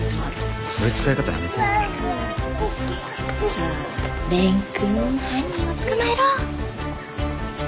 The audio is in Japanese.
さあ蓮くん犯人を捕まえろ！